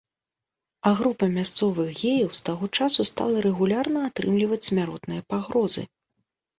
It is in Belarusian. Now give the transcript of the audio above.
А група мясцовых геяў з таго часу стала рэгулярна атрымліваць смяротныя пагрозы.